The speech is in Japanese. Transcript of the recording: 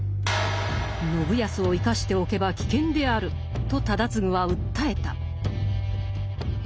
「信康を生かしておけば危険である」と忠次は訴えた。